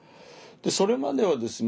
それまではですね